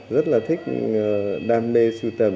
rất là thích đam mê sưu tập